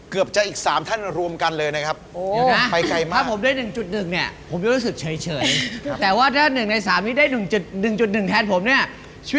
คุณเจมส์ได้ตระก้าสารไม่เสร็จ